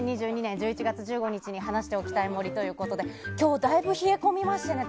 ２０２２年１１月１５日に話しておきたい森ということで今日、だいぶ冷え込みましたね。